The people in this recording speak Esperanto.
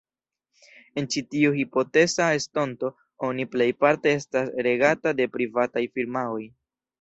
En ĉi tiu hipoteza estonto oni plejparte estas regata de privataj firmaoj.